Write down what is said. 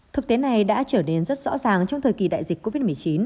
thực tế này đã trở nên rất rõ ràng trong thời kỳ đại dịch covid một mươi chín